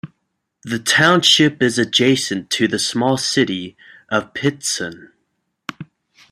The township is adjacent to the small city of Pittston.